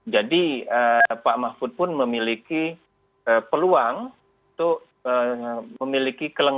jadi pak mahfud pun memiliki peluang untuk memiliki